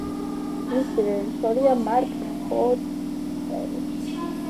მისი რეჟისორია მარკ ფორსტერი.